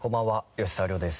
吉沢亮です。